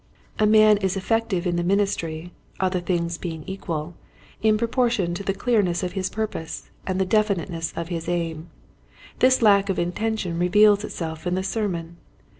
A man is effective in the ministry, other things being equal, in proportion to the clearness of his purpose and the definiteness of his aim. This lack of intention reveals itself in the sermon.